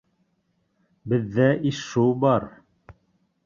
Беҙҙә ишшү бар!